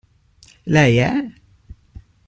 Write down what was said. Lei è?